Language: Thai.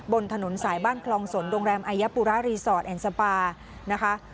บนถนนสายบ้านคลองศนโดงแรมไอยะปุรารีสอร์ทแอนด์ซาปาร์